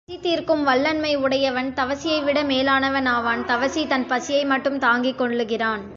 பிறர் பசி தீர்க்கும் வள்ளன்மை உடையவன் தவசியை விட மேலானவன் ஆவான் தவசி தன் பசியை மட்டும் தாங்கிக்கொள்கிறான்.